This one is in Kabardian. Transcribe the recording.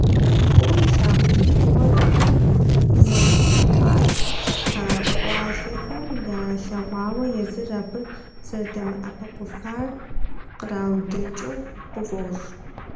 ФӀыуэ илъагъу бзылъхугъэр хым зэрыхихьар а къуалэхэм ялъэгъуауэ, езыр абы зэрыдэмыӀэпыкъуфар къраудэкӀыу къыфӀощӀ.